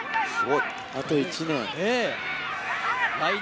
あと１年。